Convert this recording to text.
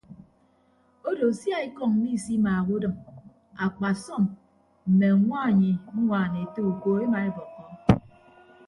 Odo sia ekọñ misimaaha udịm akpasọm mme añwanyi ñwaan ete uko emaebọkkọ.